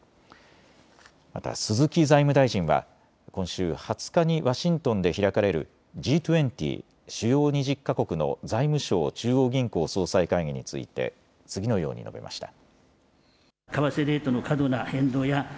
また鈴木財務大臣は今週２０日にワシントンで開かれるＧ２０・主要２０か国の財務相・中央銀行総裁会議について次のように述べました。